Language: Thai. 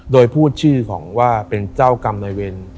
โดยพูดชื่อของว่าเป็นเจ้ากรรมในเวร